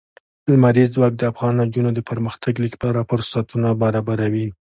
لمریز ځواک د افغان نجونو د پرمختګ لپاره فرصتونه برابروي.